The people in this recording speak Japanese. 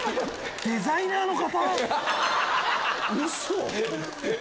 デザイナーの方？